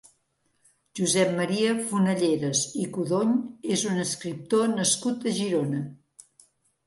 Josep Maria Fonalleras i Codony és un escriptor nascut a Girona.